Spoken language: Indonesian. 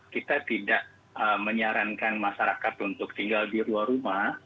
kita tidak menyarankan masyarakat untuk tinggal di luar rumah